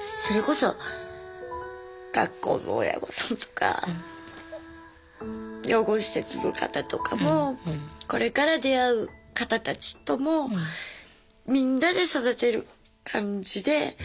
それこそ学校も親御さんとか養護施設の方とかもこれから出会う方たちともみんなで育てる感じでいいような気がします。